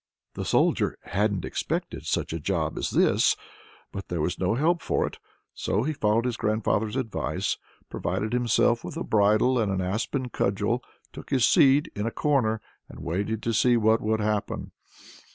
The Soldier hadn't expected such a job as this, but there was no help for it. So he followed his grandfather's advice, provided himself with a bridle and an aspen cudgel, took his seat in a corner, and waited to see what would happen.